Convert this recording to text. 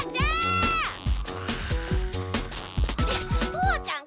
父ちゃん！